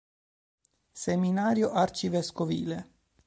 Seminario arcivescovile